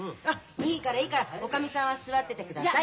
いいからいいからおかみさんは座っててください。